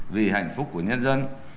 vì hạnh phúc của nhân dân